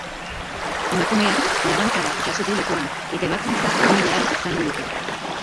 Emakumeak labankada jaso du lepoan, eta ebakuntza egin behar izan diote.